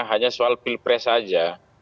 hanya soal pilpres saja